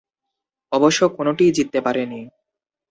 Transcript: অবশ্য কোনটিই জিততে পারেনি।